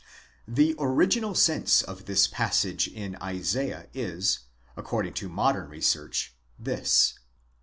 The original sense of this passage in Isaiah is, according to modern research," this.